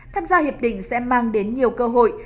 tham gia hiệp định sẽ mang đến nhiều cơ hội